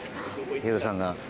ヒロドさんが。